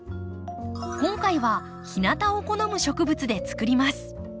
今回は日なたを好む植物でつくります。